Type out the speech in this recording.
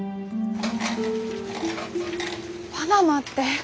パナマってええ？